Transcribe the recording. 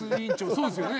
そうですよね。